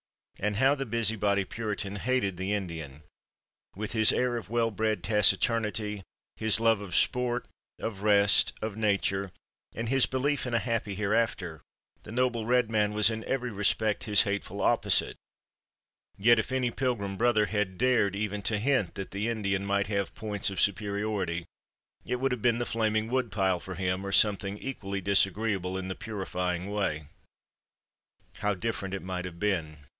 And how the busybody Puritan hated the Indian! With his air of well bred taciturnity, his love of sport, of rest, of nature, and his belief in a happy Hereafter, the noble Red Man was in every respect his hateful opposite, yet if any Pilgrim brother had dared even to hint that the Indian might have points of superiority it would have been the flaming woodpile for him, or something equally disagreeable in the purifying way. How different it might have been!